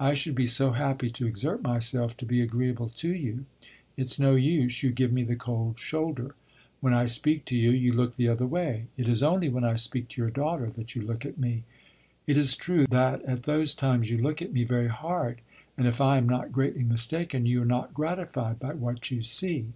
I should be so happy to exert myself to be agreeable to you. It 's no use; you give me the cold shoulder. When I speak to you, you look the other way; it is only when I speak to your daughter that you look at me. It is true that at those times you look at me very hard, and if I am not greatly mistaken, you are not gratified by what you see.